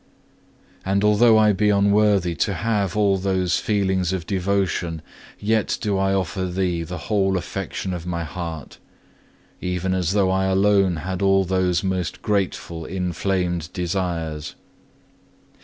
2. And although I be unworthy to have all those feelings of devotion, yet do I offer Thee the whole affection of my heart, even as though I alone had all those most grateful inflamed desires.